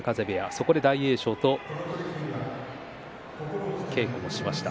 そこで大栄翔と稽古をしました。